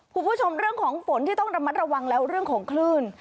คุณผู้ชมเรื่องของฝนที่ต้องระมัดระวังแล้วเรื่องของคลื่น